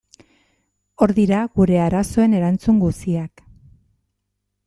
Hor dira gure arazoen erantzun guziak.